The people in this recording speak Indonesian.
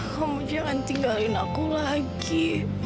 kamu jangan tinggalin aku lagi